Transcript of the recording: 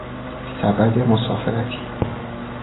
سبد مسافرتی